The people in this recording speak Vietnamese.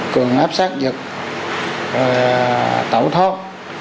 cường áp sát giật tẩu thóp